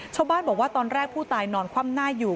ชาวบ้านบอกว่าตอนแรกผู้ตายนอนคว่ำหน้าอยู่